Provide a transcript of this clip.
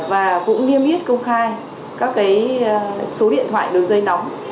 và cũng niêm yết công khai các số điện thoại đường dây nóng